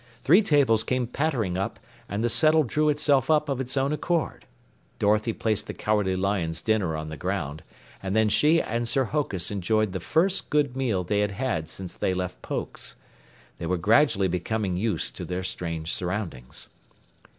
Three tables came pattering up, and the settle drew itself up of its own accord. Dorothy placed the Cowardly Lion's dinner on the ground, and then she and Sir Hokus enjoyed the first good meal they had had since they left Pokes. They were gradually becoming used to their strange surroundings.